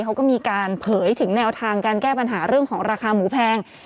เขาก็มีการเผยถึงแนวทางการแก้ปัญหาเรื่องของราคาหมูแพง